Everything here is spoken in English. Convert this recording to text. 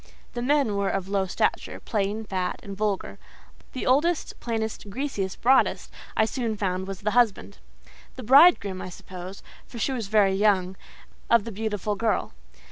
The men were of low stature, plain, fat, and vulgar; the oldest, plainest, greasiest, broadest, I soon found was the husband—the bridegroom I suppose, for she was very young—of the beautiful girl.